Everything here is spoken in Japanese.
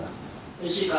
おいしいか？